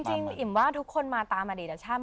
อิ่มว่าทุกคนมาตามอดีตชาติ